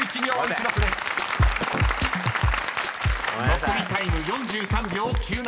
［残りタイム４３秒９７］